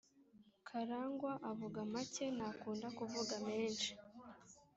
karangwa avuga make ntakunda kuvuga menshi